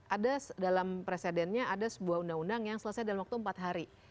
ada dalam presidennya ada sebuah undang undang yang selesai dalam waktu empat hari